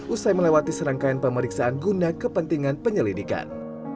usai melewati serangkaian pemeriksaan guna kepentingan penyelidikan